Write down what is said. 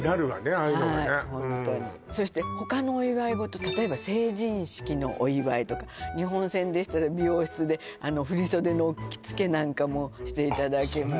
ああいうのはねそして他のお祝いごと例えば成人式のお祝いとか日本船でしたら美容室で振り袖の着付けなんかもしていただけます